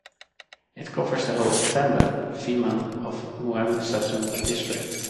It covers the whole "tambon" Phiman of Mueang Satun district.